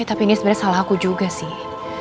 ya tapi ini sebenernya salah aku juga sih